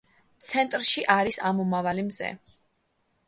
ცენტრში არის ამომავალი მზე.